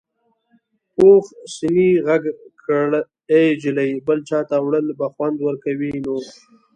پوخ سنې غږ کړ ای جلۍ بل چاته وړل به خوند ورکوي نو.